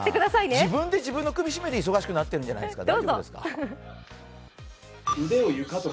自分で自分の首絞めて、忙しくなってるんじゃないですか。